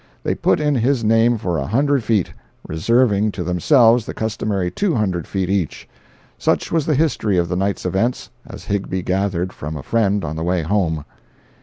They put in his name for a hundred feet, reserving to themselves the customary two hundred feet each. Such was the history of the night's events, as Higbie gathered from a friend on the way home.